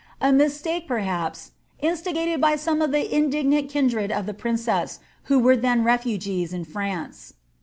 A mistake, perhaps, insti gated by some of the indignant kindred of the princess, who were then refugees in France.